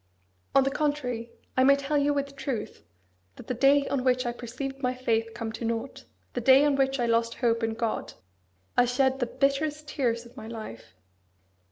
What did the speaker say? On the contrary, I may tell you with truth that the day on which I perceived my faith come to nought, the day on which I lost hope in God, I shed the bitterest tears of my life.